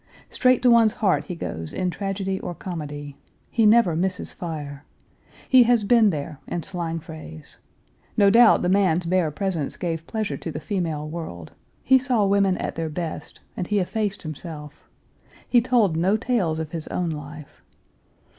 Straight to one's heart he goes in tragedy or comedy. He never misses fire. He has been there, in slang phrase. No doubt the man's bare presence gave pleasure to the female world; he saw women at their best, and he effaced himself. He told no tales of his own life.